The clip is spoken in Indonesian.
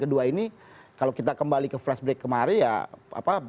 ya tadi bahkan kalau kita kembali ke flash break kemarin